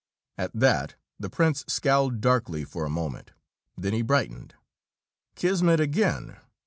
At that, the prince scowled darkly for a moment. Then he brightened. "Kismet again!